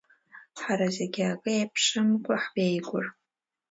Ҳара зегьы акы еиԥшымкәа ҳбеигәр…